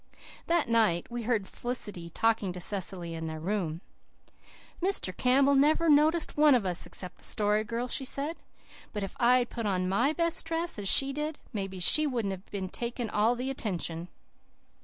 That night we heard Felicity talking to Cecily in their room. "Mr. Campbell never noticed one of us except the Story Girl," she said, "but if I had put on MY best dress as she did maybe she wouldn't have taken all the attention."